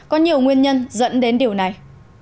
có nhiều nguyên nhân dẫn đến điều này